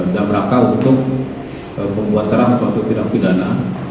dan mereka untuk membuat terang untuk bidang pidana